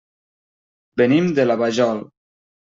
Venim de la Vajol.